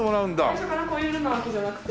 最初からこういう色なわけじゃなくて。